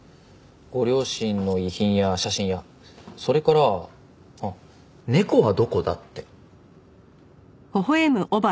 ご両親の遺品や写真やそれから「猫はどこだ」って。